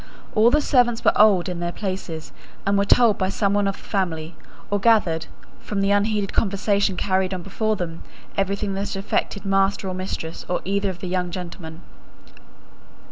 All the servants were old in their places, and were told by some one of the family, or gathered, from the unheeded conversation carried on before them, everything that affected master or mistress or either of the young gentlemen.